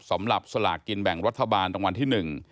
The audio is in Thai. สำหรับสลากกินแบ่งรัฐบาลตั้งวันที่๑